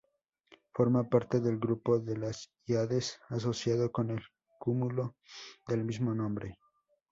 Forma parte del grupo de las Híades asociado con el cúmulo del mismo nombre.